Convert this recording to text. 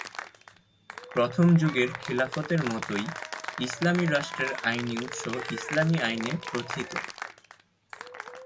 প্রথম যুগের খিলাফতের মতই ইসলামী রাষ্ট্রের আইনি উৎস ইসলামি আইনে প্রোথিত।